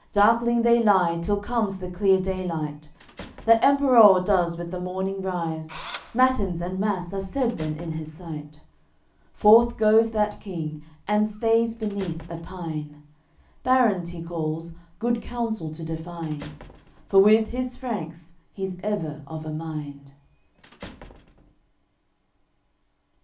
Darkling they lie till comes the clear daylight. That Emperour does with the morning rise; Matins and Mass are said then in his sight. Forth goes that King, and stays beneath a pine; Barons he calls, good counsel to define, For with his Franks he's ever of a mind.